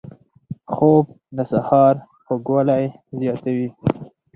خوب د سحر خوږوالی زیاتوي